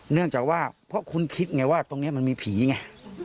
เนื่องจากว่าเพราะคุณคิดไงว่าตรงนี้มันมีผีไง